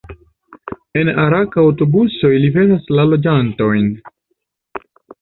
En Arak aŭtobusoj liveras la loĝantojn.